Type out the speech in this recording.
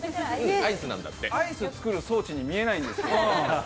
アイスを作る装置に見えないんですけど。